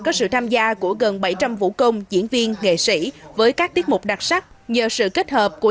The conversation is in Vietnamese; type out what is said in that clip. có sự tham gia của gần bảy trăm linh vũ công diễn viên nghệ sĩ với các tiết mục đặc sắc nhờ sự kết hợp của